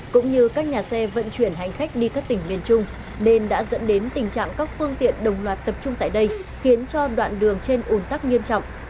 cũng như các nhà xe vận chuyển hành khách đi các tỉnh miền trung nên đã dẫn đến tình trạng các phương tiện đồng loạt tập trung tại đây khiến cho đoạn đường trên ủn tắc nghiêm trọng